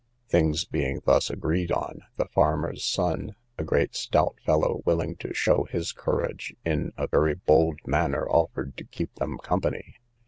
Things being thus agreed on, the farmer's son, a great stout fellow, willing to show his courage, in a very bold manner offered to keep them company.